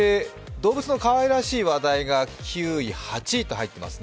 動物のかわいらしい話題が９位、８位と入っていますね。